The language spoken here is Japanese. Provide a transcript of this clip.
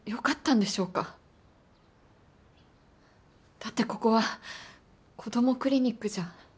だってここはこどもクリニックじゃ。